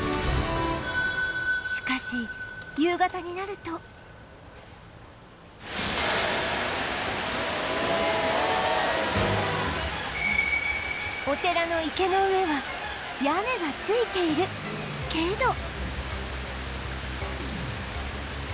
しかしお寺の池の上は屋根がついているけど